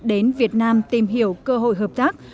đến việt nam tìm hiểu cơ hội hợp tác